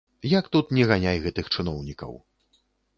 Як тут не ганяй гэтых чыноўнікаў.